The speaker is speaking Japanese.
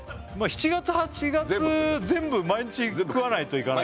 ７月８月全部毎日食わないといかない